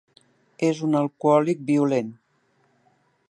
És un alcohòlic violent.